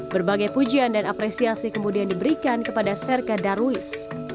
berbagai pujian dan apresiasi kemudian diberikan kepada serka darwis